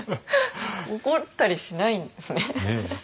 怒ったりしないんですね。